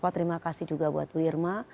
terima kasih juga buat bu irma